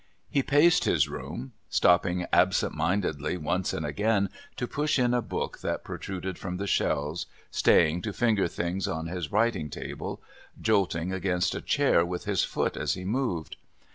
He paced his room, stopping absent mindedly once and again to push in a book that protruded from the shelves, staying to finger things on his writing table, jolting against a chair with his foot as he moved.